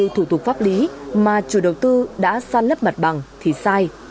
thủ tục pháp lý mà chủ đầu tư đã san lấp mặt bằng thì sai